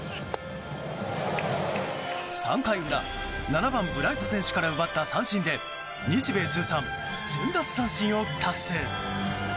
３回裏、７番ブライド選手から奪った三振で日米通算１０００奪三振を達成！